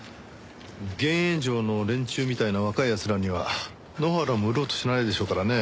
幻影城の連中みたいな若い奴らには埜原も売ろうとしないでしょうからね